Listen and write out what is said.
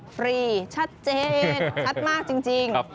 ฟรีชัดเจนชัดมากจริง